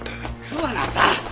桑名さん！